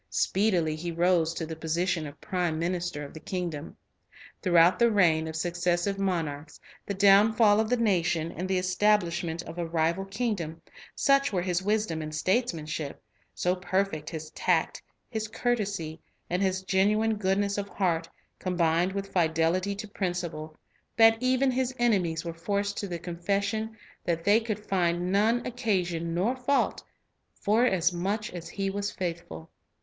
Speedily he Unrivaled ..... statesman rose to the position of prime minister of the kingdom. Throughout the reign of successive monarchs, the down fall of the nation, and the establishment of a rival king dom, such were his wisdom and statesmanship, so perfect his tact, his courtesy, and his genuine goodness of heart, combined with fidelity to principle, that even his enemies were forced to the confession that " they could find none occasion nor fault; forasmuch as he was faithful."